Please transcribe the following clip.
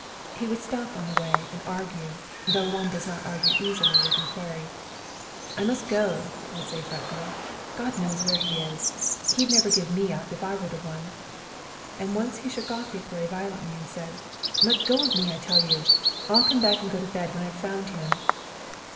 He would stop on the way and argue, though one does not argue easily with an equerry. "I must go," he would say fretfully. "God knows where he is. He'd never give me up if I were the one." And once he shook off the equerry violently and said: "Let go of me, I tell you! I'll come back and go to bed when I've found him."